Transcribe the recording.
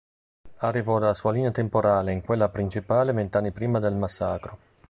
Arrivò dalla sua linea temporale in quella principale vent'anni prima del Massacro.